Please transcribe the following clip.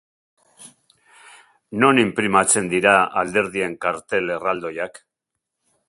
Non inprimatzen dira alderdien kartel erraldoiak?